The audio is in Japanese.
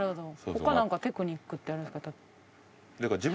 他テクニックってあるんですか？